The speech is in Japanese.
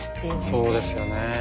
そうですよね。